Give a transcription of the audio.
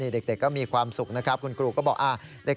เด็กก็มีความสุขนะครับคุณครูก็บอก